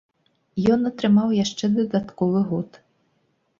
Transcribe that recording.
Ён атрымаў яшчэ дадатковы год.